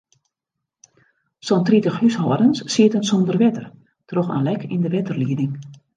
Sa'n tritich húshâldens sieten sonder wetter troch in lek yn de wetterlieding.